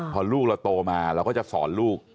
พอลูกเราโตมาเราก็จะสอนลูก